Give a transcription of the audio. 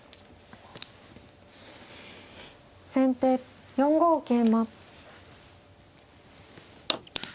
先手４五桂馬。